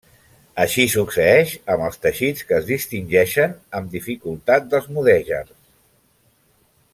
Així succeeix amb els teixits que es distingeixen amb dificultat dels mudèjars.